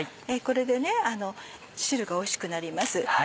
これで汁がおいしくなります。